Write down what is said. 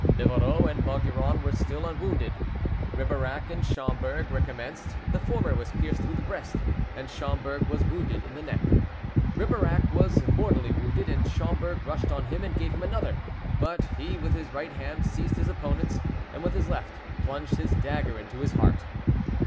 Livarot and Maugiron were still unwounded. Ribeirac and Schomberg recommenced; the former was pierced through the breast, and Schomberg was wounded in the neck. Ribeirac was mortally wounded, and Schomberg rushed on him and gave him another; but he, with his right hand, seized his opponent's, and with his left plunged his dagger into his heart.